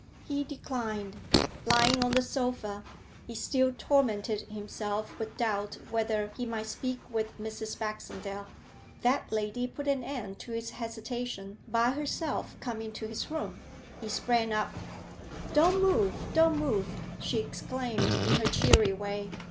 He declined. Lying on the sofa, he still tormented himself with doubt whether he might speak with Mrs. Baxendale. That lady put an end to his hesitation by herself coming to his room. He sprang up. 'Don't move, don't move!' she exclaimed in her cheery way.